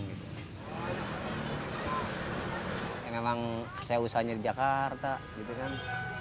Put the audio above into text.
ya memang saya usahanya di jakarta gitu kan